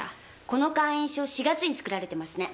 この会員証４月に作られてますね。